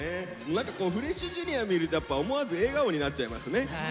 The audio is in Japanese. なんかこうフレッシュＪｒ．見るとやっぱ思わず笑顔になっちゃいますね。